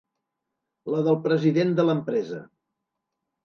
La del president de l’empresa.